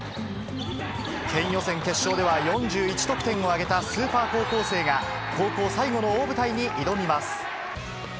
県予選決勝では４１得点を挙げたスーパー高校生が、高校最後の大舞台に挑みます。